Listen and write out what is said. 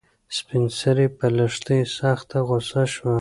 سپین سرې په لښتې سخته غوسه شوه.